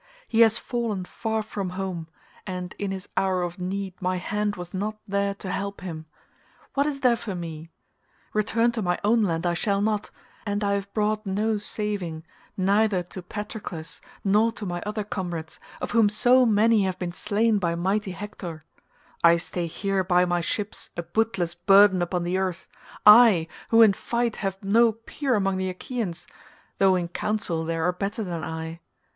He has fallen far from home, and in his hour of need my hand was not there to help him. What is there for me? Return to my own land I shall not, and I have brought no saving neither to Patroclus nor to my other comrades of whom so many have been slain by mighty Hector; I stay here by my ships a bootless burden upon the earth, I, who in fight have no peer among the Achaeans, though in council there are better than I.